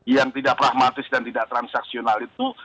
yang tidak pragmatis dan tidak transaksional itu